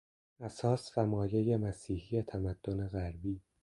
اساس و مایهی مسیحی تمدن غربی